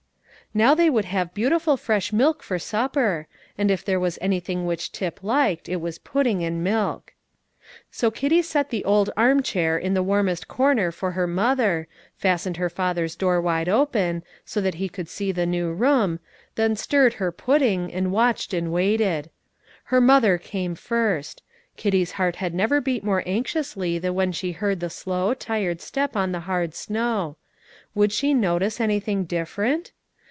Now they would have beautiful fresh milk for supper; and if there was anything which Tip liked, it was pudding and milk. So Kitty set the old arm chair in the warmest corner for her mother, fastened her father's door wide open, so that he could see the new room, then stirred her pudding, and watched and waited. Her mother came first. Kitty's heart had never beat more anxiously than when she heard the slow, tired step on the hard snow. Would she notice anything different?